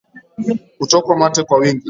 Kutokwa mate kwa wingi